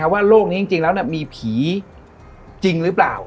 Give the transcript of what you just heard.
ว่าโลกนี้จริงแล้วมีผีจริงหรือเปล่า